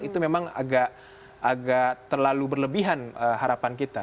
itu memang agak terlalu berlebihan harapan kita